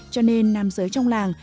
cho nên nam giới trong làng